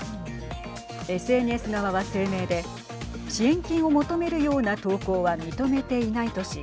ＳＮＳ側は声明で支援金を求めるような投稿は認めていないとし